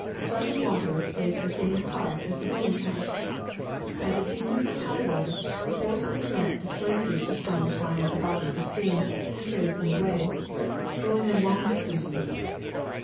*^ Running water plays the same part as the rolling cask. At the season of high water the force of the current displaces the stones lying at the bottom of the stream and carries them away, rolling them long 356 THE SECRET OF EVERYDAY THINGS distances.